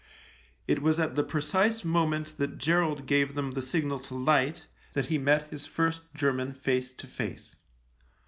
It was at the precise moment that Gerald gave them the signal to light that he met his first German face to face.